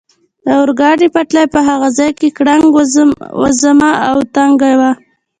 د اورګاډي پټلۍ په هغه ځای کې ګړنګ وزمه او تنګه وه.